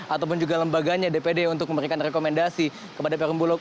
ataupun juga lembaganya dpd untuk memberikan rekomendasi kepada perumbulok